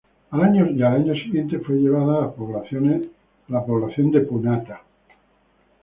Y al año siguiente fue llevada a la población de Punata.